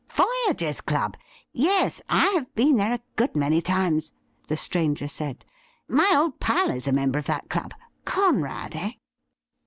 ' Voyagers' Club ! Yes, I have been there a good many times,' the stranger said. ' My old pal is a member of that club. Conrad, eh?'